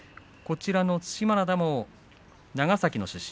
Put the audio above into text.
對馬洋も長崎の出身。